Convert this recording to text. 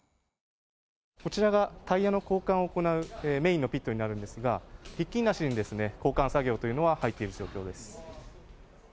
こちらがタイヤの交換を行うメインのピットになるんですが、ひっきりなしに交換作業というのは、入っている状況です。